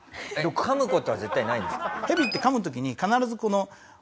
噛む事は絶対ないんですか？